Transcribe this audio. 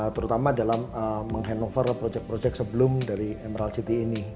terutama dalam meng handover proyek proyek sebelum dari emerald city ini